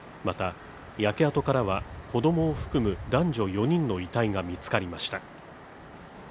また、焼け跡からは子供を含む男女４人の遺体が見つかりました。